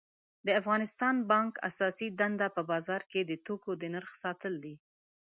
د افغانستان بانک اساسی دنده په بازار کی د توکو د نرخ ساتل دي